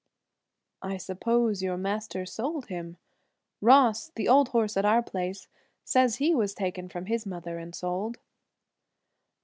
"I suppose your master sold him. Ross, the old horse at our place, says he was taken from his mother and sold."